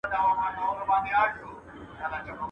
جوار د څارویو خواړه دی.